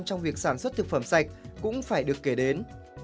trong việc sản xuất thực phẩm sạch cũng phải được kể đến